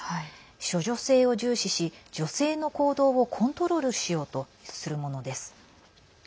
処女性を重視し、女性の行動をコントロールしようとするものです。